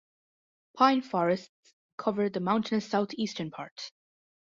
Pine forests cover the mountainous southeastern part.